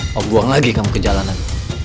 mau buang lagi kamu ke jalanan